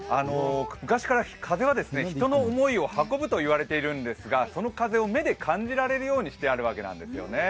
昔から風は人の思いを運ぶといわれているんですがその風を目で感じられるようにしてあるわけなんですよね。